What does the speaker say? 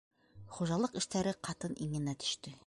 Хужалыҡ эштәре ҡатын иңенә төштө.